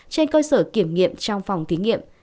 trên cơ sở kiểm nghiệm trong phòng thí nghiệm